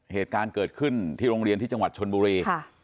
เหตุการณ์เกิดขึ้นที่โรงเรียนที่จังหวัดชนบุรี